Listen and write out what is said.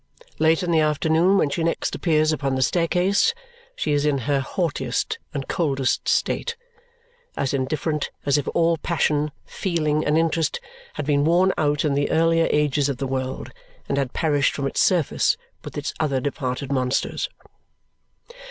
Late in the afternoon, when she next appears upon the staircase, she is in her haughtiest and coldest state. As indifferent as if all passion, feeling, and interest had been worn out in the earlier ages of the world and had perished from its surface with its other departed monsters.